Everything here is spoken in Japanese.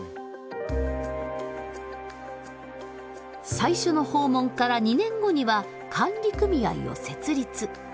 最初の訪問から２年後には管理組合を設立。